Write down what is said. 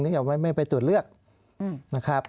กับว่าไม่ไปตรวจเลือกนะครับ